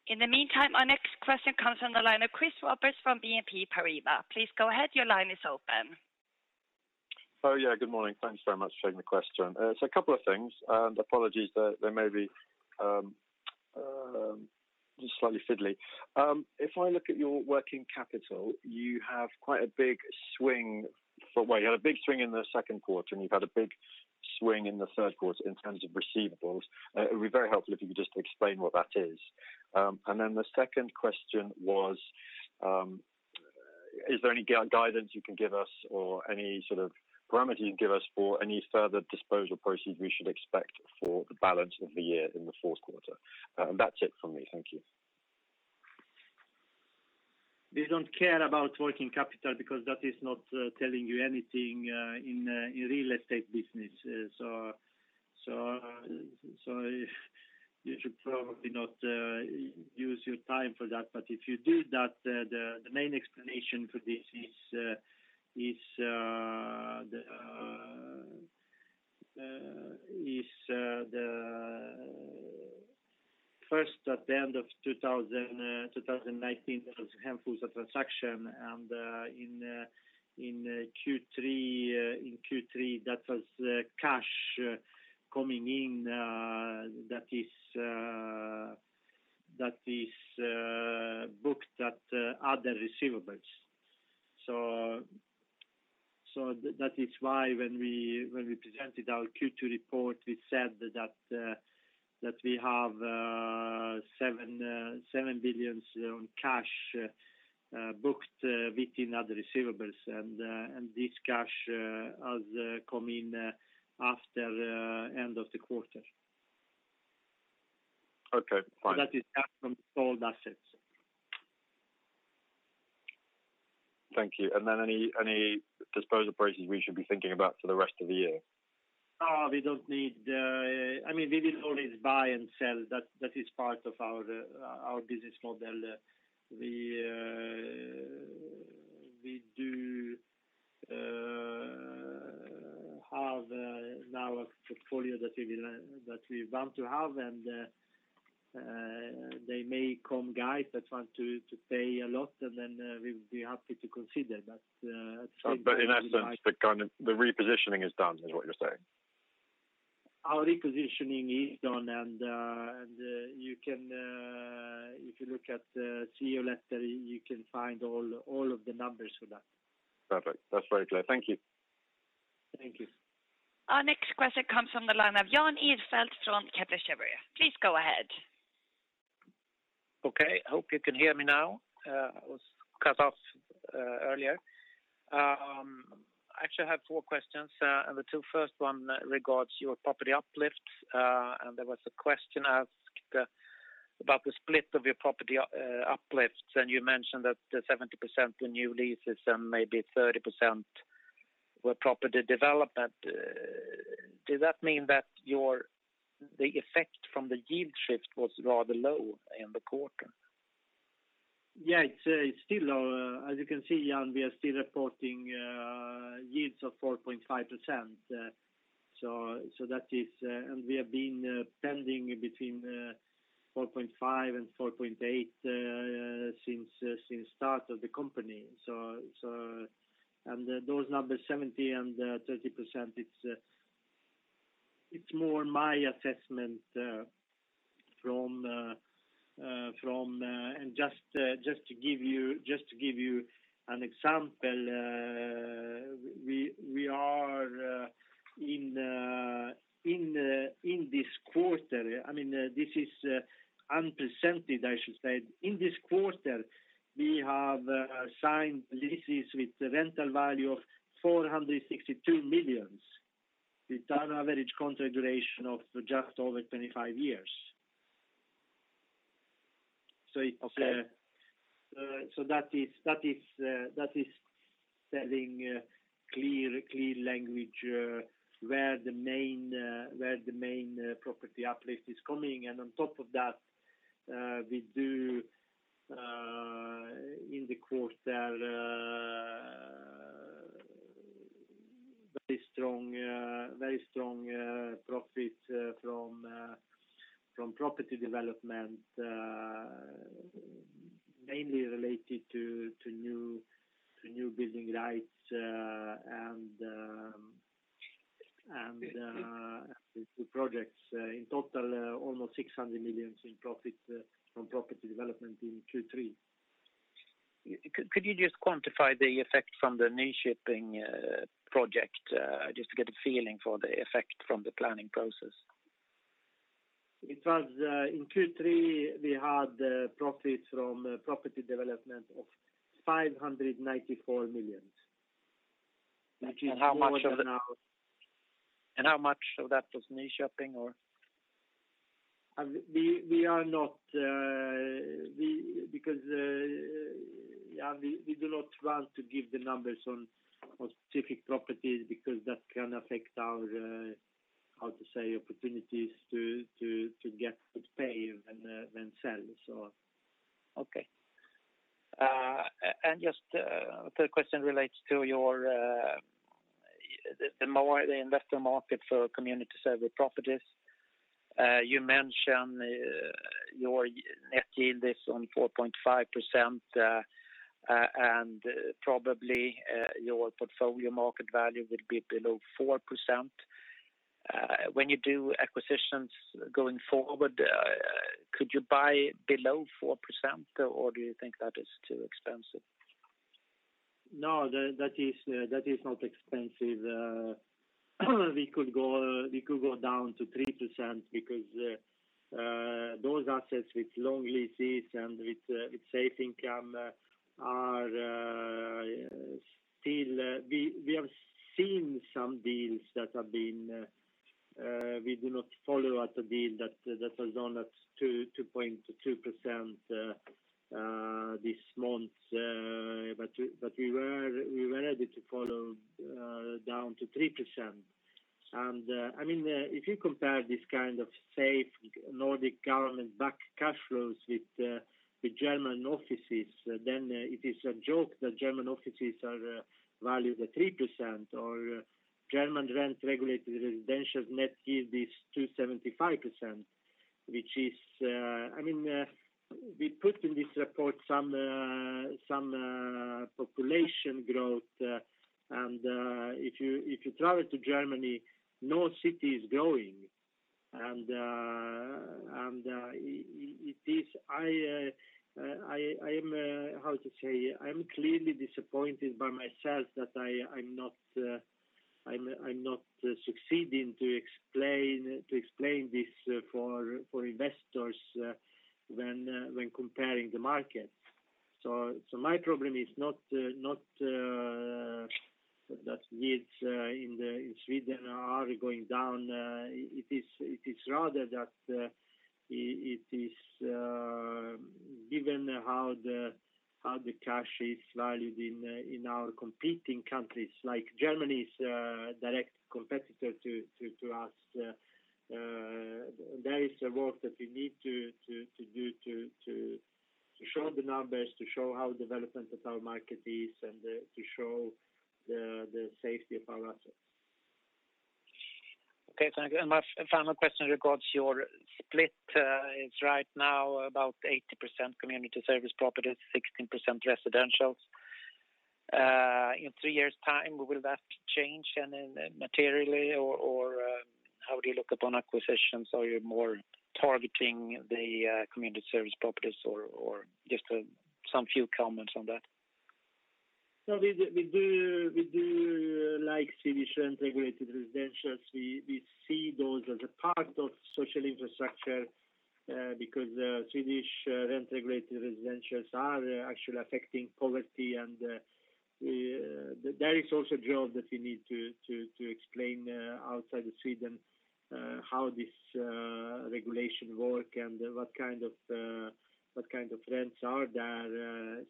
In the meantime, our next question comes from the line of Chris Roberts from BNP Paribas. Please go ahead. Your line is open. Oh, yeah. Good morning. Thanks very much for taking the question. A couple of things, and apologies that they may be just slightly fiddly. If I look at your working capital, you had a big swing in the second quarter, and you've had a big swing in the third quarter in terms of receivables. It would be very helpful if you could just explain what that is. The second question was, is there any guidance you can give us or any sort of parameters you can give us for any further disposal proceeds we should expect for the balance of the year in the fourth quarter? That's it from me. Thank you. We don't care about working capital because that is not telling you anything in real estate business. You should probably not use your time for that. If you do that, the main explanation for this is first at the end of 2019, there was a handful of transactions, and in Q3 that was cash coming in that is booked at other receivables. That is why when we presented our Q2 report, we said that we have 7 billion on cash booked within other receivables, and this cash has come in after end of the quarter. Okay, fine. That is cash from sold assets. Thank you. Then any disposal proceeds we should be thinking about for the rest of the year? We will always buy and sell. That is part of our business model. We do have now a portfolio that we want to have, and they may come guys that want to pay a lot, and then we would be happy to consider. In essence, the repositioning is done, is what you're saying? Our repositioning is done. If you look at the CEO letter, you can find all of the numbers for that. Perfect. That's very clear. Thank you. Thank you. Our next question comes from the line of Jan Ihrfelt from Kepler Cheuvreux. Please go ahead. Hope you can hear me now. I was cut off earlier. I actually have four questions. The two first one regards your property uplift. There was a question asked about the split of your property uplifts, and you mentioned that 70% were new leases and maybe 30% were property development. Does that mean that the effect from the yield shift was rather low in the quarter? Yeah, as you can see, Jan, we are still reporting yields of 4.5%. We have been pending between 4.5% and 4.8% since start of the company. Those numbers, 70% and 30%, it's more my assessment. Just to give you an example, in this quarter, this is unprecedented, I should say. In this quarter, we have signed leases with rental value of 462 million, with an average contract duration of just over 25 years. Okay. That is telling clear language where the main property uplift is coming. On top of that, we do in the quarter very strong profit from property development mainly related to new building rights and the two projects. In total almost 600 million in profit from property development in Q3. Could you just quantify the effect from the Nyköpingproject just to get a feeling for the effect from the planning process? In Q3, we had profit from property development of 594 million which is more than our- How much of that was Nyköping or? We do not want to give the numbers on specific properties because that can affect our, how to say, opportunities to get good pay when selling. Okay. Just a third question relates to the investor market for community service properties. You mentioned your net yield is on 4.5% and probably your portfolio market value will be below 4%. When you do acquisitions going forward could you buy below 4% or do you think that is too expensive? No, that is not expensive. We could go down to 3% because those assets with long leases and with safe income are still, we have seen some deals that have been, we do not follow at a deal that was done at 2.2% this month, but we were ready to follow down to 3%. If you compare this kind of safe Nordic government-backed cash flows with German offices then it is a joke that German offices are valued at 3% or German rent-regulated residentials net yield is 2.75%, which is, I mean, we put in this report some population growth and if you travel to Germany, no city is growing. I am, how to say, clearly disappointed by myself that I'm not succeeding to explain this for investors when comparing the market. My problem is not that yields in Sweden are going down. It is rather that it is given how the cash is valued in our competing countries, like Germany is a direct competitor to us. There is work that we need to do to show the numbers, to show how development of our market is, and to show the safety of our assets. Okay, thank you. My final question regards your split is right now about 80% community service properties, 16% residentials. In three years' time, will that change materially, or how would you look upon acquisitions? Are you more targeting the community service properties or just some few comments on that? We do like Swedish rent-regulated residentials. We see those as a part of social infrastructure because Swedish rent-regulated residentials are actually affecting poverty and that is also a job that we need to explain outside of Sweden how this regulation work and what kind of rents are there.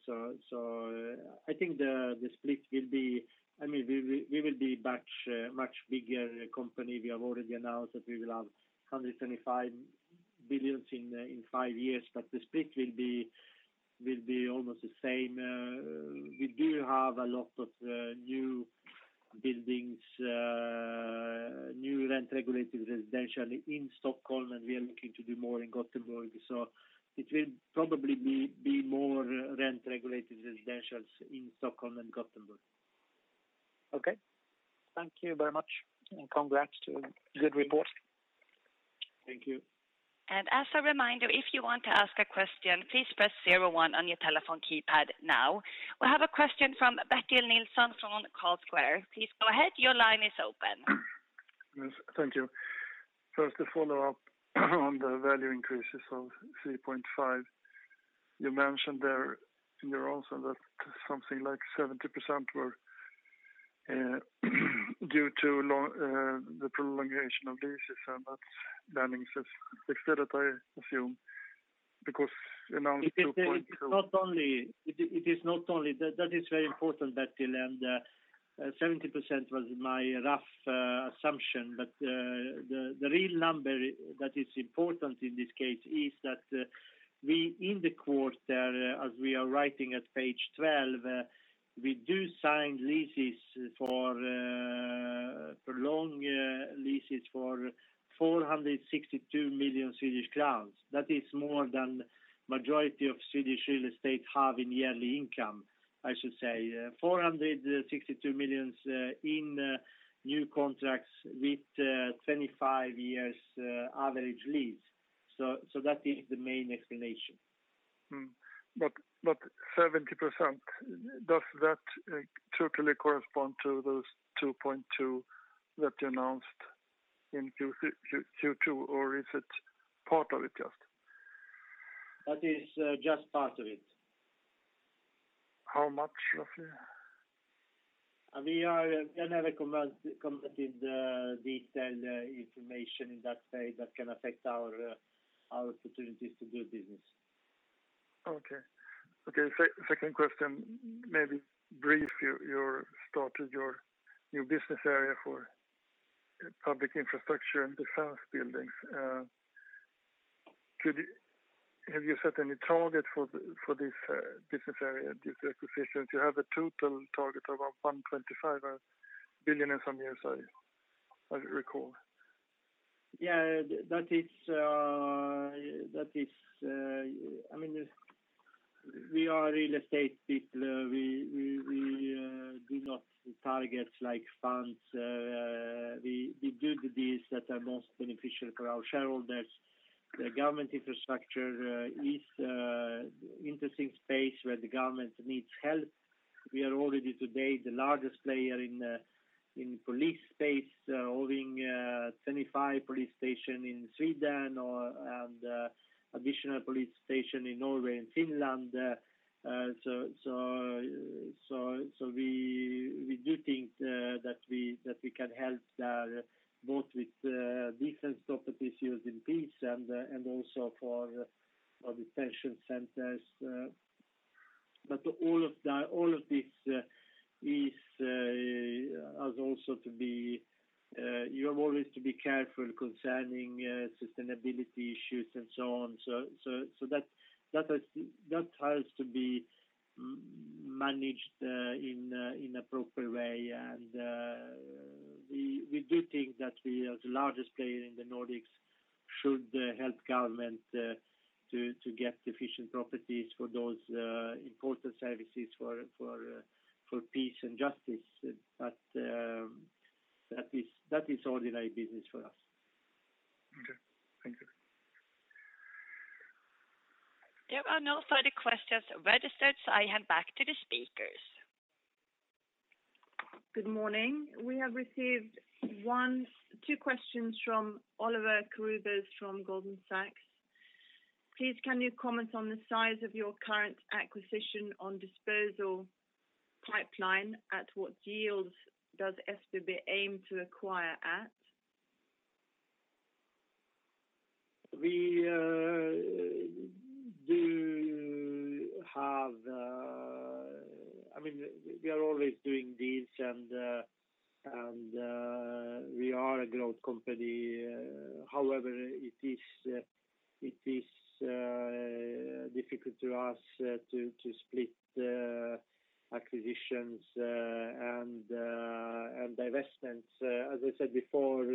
I think the split will be, we will be much bigger company. We have already announced that we will have 125 billion in five years, the split will be almost the same. We do have a lot of new buildings, new rent-regulated residential in Stockholm, we are looking to do more in Gothenburg. It will probably be more rent-regulated residentials in Stockholm and Gothenburg. Okay. Thank you very much and congrats to a good report. Thank you. As a reminder, if you want to ask a question, please press zero one on your telephone keypad now. We have a question from Bertil Nilsson from Carlsquare. Please go ahead. Your line is open. Yes, thank you. First, the follow-up on the value increases of 3.5 billion. You mentioned there in your answer that something like 70% were due to the prolongation of leases and that landing is fixed, I assume, because announced SEK 2.2 billion? It is not only. That is very important, Bertil, and 70% was my rough assumption. The real number that is important in this case is that we, in the quarter, as we are writing at page 12, we do sign long leases for 462 million Swedish crowns. That is more than majority of Swedish real estate have in yearly income, I should say, 462 million in new contracts with 25 years average lease. That is the main explanation. 70%, does that totally correspond to those 2.2 billion that you announced in Q2, or is it part of it just? That is just part of it. How much roughly? We never commented detailed information in that way that can affect our opportunities to do business. Okay. Second question, maybe brief. You started your new business area for public infrastructure and defense buildings. Have you set any target for this business area, these acquisitions? You have a total target of 125 billion in some years, I recall. Yeah. We are real estate people. We do not target like funds. We do the deals that are most beneficial for our shareholders. The government infrastructure is interesting space where the government needs help. We are already today the largest player in police space, owning 25 police station in Sweden, and additional police station in Norway and Finland. We do think that we can help there both with defense property used in peace and also for detention centers. You have always to be careful concerning sustainability issues and so on. That has to be managed in appropriate way. We do think that we, as the largest player in the Nordics, should help government to get efficient properties for those important services for peace and justice. That is ordinary business for us. Okay. Thank you. There are no further questions registered, so I hand back to the speakers. Good morning. We have received two questions from Oliver Carruthers from Goldman Sachs. Please, can you comment on the size of your current acquisition on disposal pipeline? At what yields does SBB aim to acquire at? We are always doing deals, and we are a growth company. However, it is difficult to us to split acquisitions and divestments. As I said before,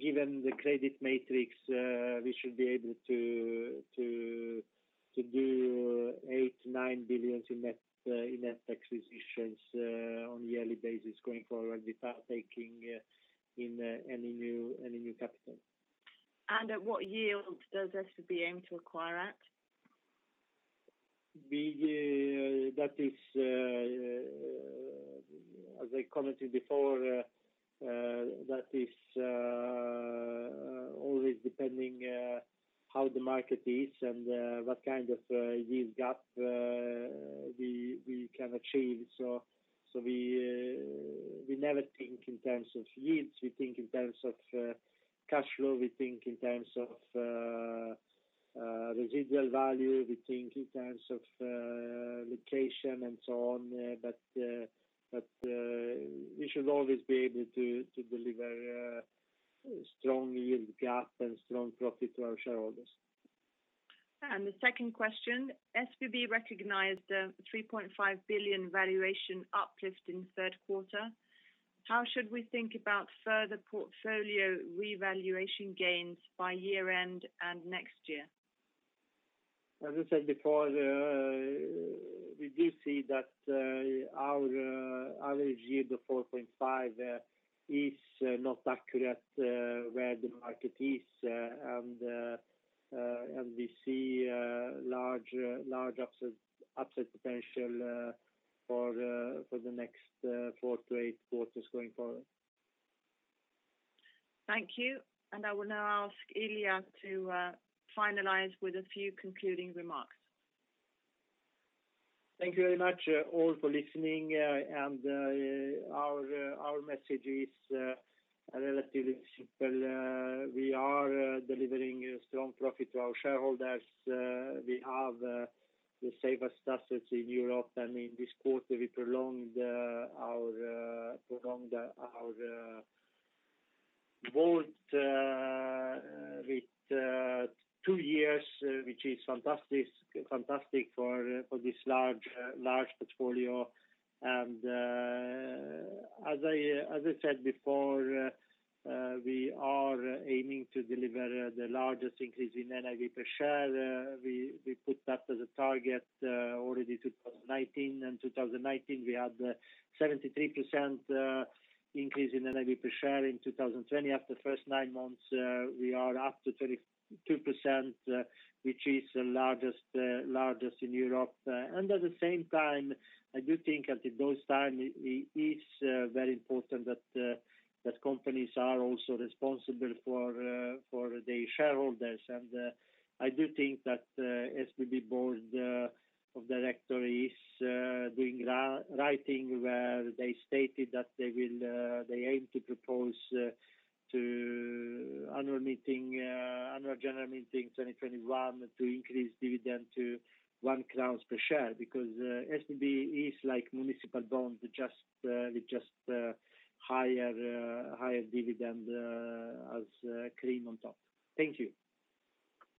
given the credit metrics, we should be able to do 8 billion-9 billion in net acquisitions on yearly basis going forward without taking any new capital. At what yield does SBB aim to acquire at? As I commented before, that is always depending how the market is and what kind of yield gap we can achieve. We never think in terms of yields. We think in terms of cash flow. We think in terms of residual value. We think in terms of location and so on. We should always be able to deliver strong yield gap and strong profit to our shareholders. The second question. SBB recognized a 3.5 billion valuation uplift in third quarter. How should we think about further portfolio revaluation gains by year-end and next year? As I said before, we do see that our average yield of 4.5% is not accurate where the market is, and we see large upside potential for the next four to eight quarters going forward. Thank you. I will now ask Ilija to finalize with a few concluding remarks. Thank you very much all for listening. Our message is relatively simple. We are delivering a strong profit to our shareholders. We have the safest assets in Europe. I mean, this quarter we prolonged our WAULT with two years, which is fantastic for this large portfolio. As I said before, we are aiming to deliver the largest increase in NAV per share. We put that as a target already 2019. In 2019, we had 73% increase in NAV per share. In 2020, after the first nine months, we are up to 32%, which is the largest in Europe. At the same time, I do think at this time it is very important that companies are also responsible for their shareholders. I do think that SBB Board of Directors is doing the right thing where they stated that they aim to propose to annual general meeting 2021 to increase dividend to 1 crowns per share, because SBB is like municipal bond with just higher dividend as cream on top. Thank you.